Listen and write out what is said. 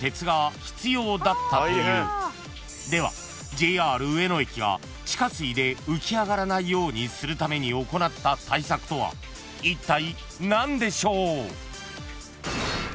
ＪＲ上野駅が地下水で浮き上がらないようにするために行った対策とはいったい何でしょう？］